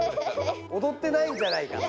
おどってないんじゃないかと。